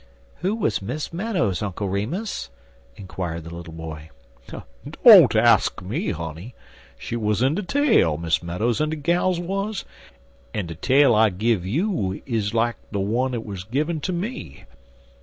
"Who was Miss Meadows, Uncle Remus?" inquired the little boy. "Don't ax me, honey. She wuz in de tale, Miss Meadows en de gals wuz, en de tale I give you like hi't wer' gun ter me.